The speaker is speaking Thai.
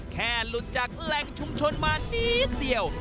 หลุดจากแหล่งชุมชนมานิดเดียว